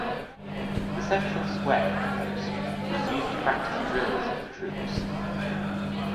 The central square of the post was used to practice drills of the troops.